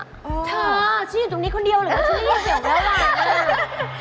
เธอฉันอยู่ตรงนี้คนเดียวหรือว่าฉันอยู่ตรงนี้หรือเปล่า